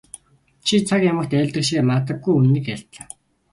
Чи цаг ямагт айлддаг шигээ мадаггүй үнэнийг айлдлаа.